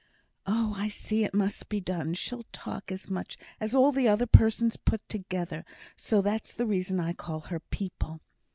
'" "Oh, I see it must be done; she'll talk as much as all the other persons put together, so that's the reason I call her 'people.'